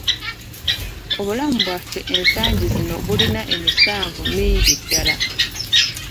Obulamu bwaffe ensangi zino bulina emisanvu mingi ddala.